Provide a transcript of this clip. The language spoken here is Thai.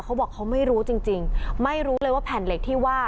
เขาบอกเขาไม่รู้จริงจริงไม่รู้เลยว่าแผ่นเหล็กที่ว่า